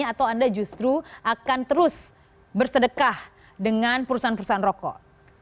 atau anda justru akan terus bersedekah dengan perusahaan perusahaan rokok